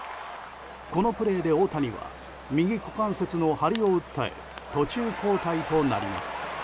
このプレーで大谷は右股関節の腫れを訴え途中交代となります。